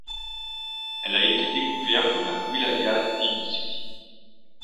Elle a été découverte dans la wilaya d'Illizi.